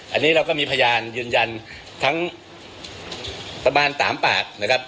อันนี้เราก็มีพยานยืนยันทั้งประมาณ๓ปากนะครับ